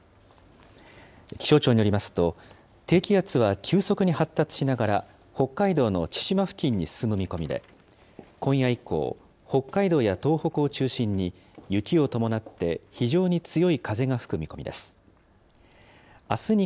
気象庁によりますと、低気圧は急速に発達しながら北海道の千島付近に進む見込みで、今夜以降、北海道や東北を中心に雪を伴って非常に強い風が吹く見込みです。